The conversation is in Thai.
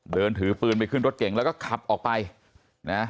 เดินถือปืนไปขึ้นรถเก่งแล้วก็ขับออกไปนะ